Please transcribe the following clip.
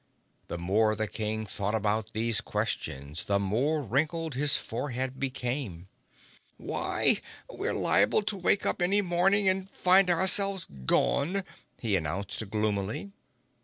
The more the King thought about these questions, the more wrinkled his forehead became. "Why! We're liable to wake up any morning and find ourselves gone," he announced gloomily.